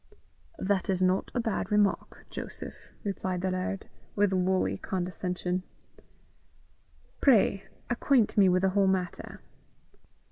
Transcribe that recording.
"That is not a bad remark, Joseph," replied the laird, with woolly condescension. "Pray acquaint me with the whole matter."